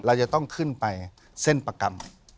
เราจะต้องขึ้นไปเส้นประกรรม